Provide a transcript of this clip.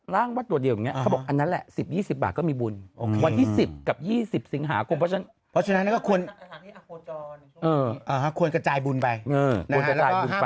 แล้วก็ห้ามไปสถานหาดโครจร